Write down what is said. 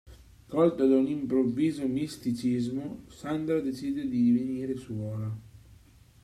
Colta da un improvviso misticismo, Sandra decide di divenire suora.